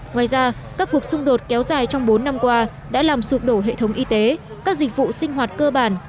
ngoài ra các cuộc xung đột kéo dài trong bốn năm qua đã làm sụp đổ hệ thống y tế các dịch vụ sinh hoạt cơ bản